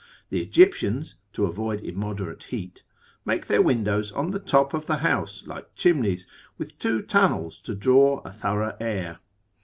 The Egyptians, to avoid immoderate heat, make their windows on the top of the house like chimneys, with two tunnels to draw a thorough air.